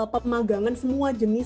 pemagangan semua jenis